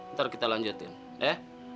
ntar kita lanjutin ya